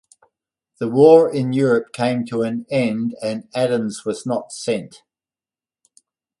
The war in Europe came to an end and Adams was not sent.